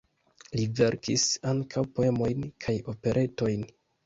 Li verkis ankaŭ poemojn kaj operetojn.